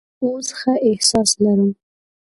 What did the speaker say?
زه اوس ښه احساس لرم.